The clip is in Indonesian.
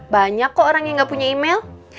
banyak kok orang yang gak punya email